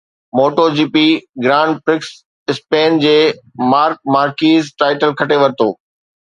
MotoGP grand prix Spain جي Marc Marquez title کٽي ورتو